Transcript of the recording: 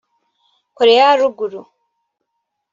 Koreya ya Ruguru